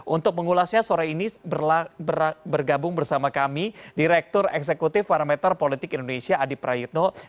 untuk mengulasnya sore ini bergabung bersama kami direktur eksekutif parameter politik indonesia adi prayitno